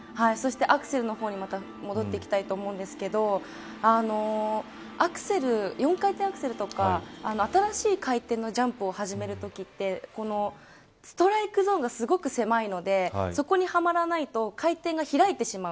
アクセルに戻ってきたいと思うんですけれども４回転アクセルとか新しい回転のジャンプを始めるときってストライクゾーンがすごく狭いのでそこにはまらないと回転が開いてしまう。